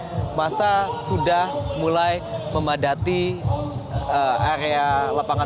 jadi masa sudah mulai memadati area lapangan